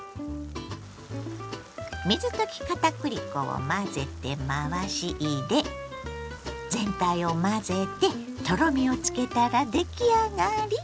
水溶き片栗粉を混ぜて回し入れ全体を混ぜてとろみをつけたら出来上がり。